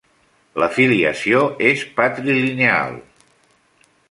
La filiació és patrilineal.